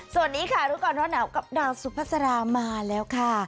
สวัสดีค่ะทุกคนโทนาปกับนาสุพสรามาแล้วค่ะ